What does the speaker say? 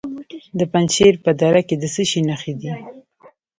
د پنجشیر په دره کې د څه شي نښې دي؟